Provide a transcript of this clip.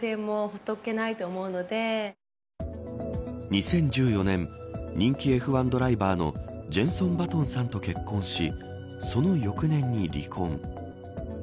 ２０１４年人気Ｆ１ドライバーのジェンソン・バトンさんと結婚しその翌年に離婚。